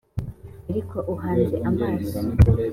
ariko uhanze amaso